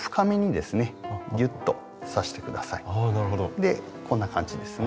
でこんな感じですね。